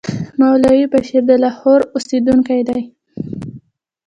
مولوي بشیر د لاهور اوسېدونکی دی.